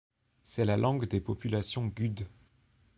C'est la langue des populations gude.